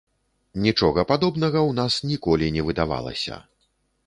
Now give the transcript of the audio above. Нічога падобнага ў нас ніколі не выдавалася.